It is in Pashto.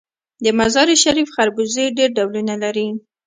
د مزار شریف خربوزې ډیر ډولونه لري.